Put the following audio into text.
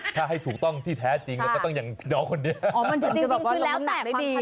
ถ้าให้ถูกต้องที่แท้จริงก็ต้องอย่างน้องคนนี้